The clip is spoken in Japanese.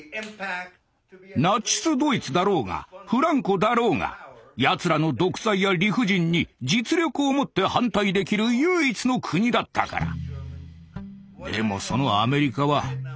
ナチスドイツだろうがフランコだろうがやつらの独裁や理不尽に実力をもって反対できる唯一の国だったから。